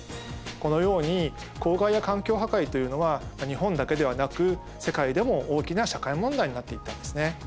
このように公害や環境破壊というのは日本だけではなく世界でも大きな社会問題になっていったんですね。